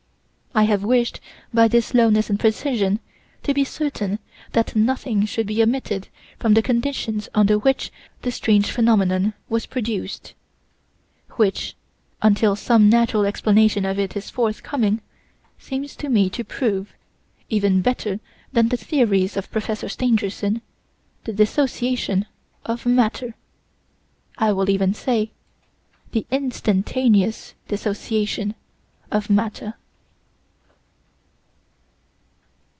I have wished, by this slowness and precision, to be certain that nothing should be omitted from the conditions under which the strange phenomenon was produced, which, until some natural explanation of it is forthcoming, seems to me to prove, even better than the theories of Professor Stangerson, the Dissociation of Matter I will even say, the instantaneous Dissociation of Matter."